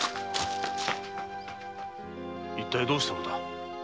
一体どうしたのだ？